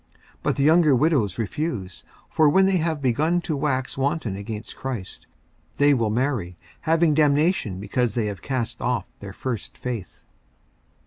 54:005:011 But the younger widows refuse: for when they have begun to wax wanton against Christ, they will marry; 54:005:012 Having damnation, because they have cast off their first faith.